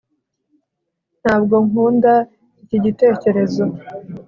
ntabwo nkunda iki gitekerezo